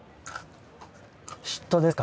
嫉妬ですか？